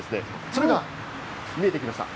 それが見えてきました。